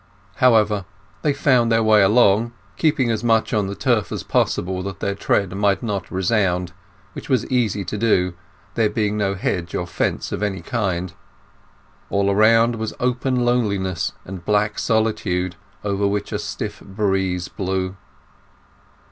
However, they found their way along, keeping as much on the turf as possible that their tread might not resound, which it was easy to do, there being no hedge or fence of any kind. All around was open loneliness and black solitude, over which a stiff breeze blew.